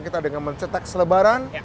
kita dengan mencetak selebaran